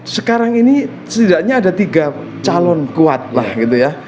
sekarang ini setidaknya ada tiga calon kuat lah gitu ya